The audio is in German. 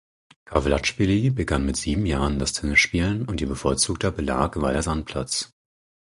Kawlaschwili begann mit sieben Jahren das Tennisspielen und ihr bevorzugter Belag war der Sandplatz.